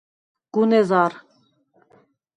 “გუნ ეზარ”.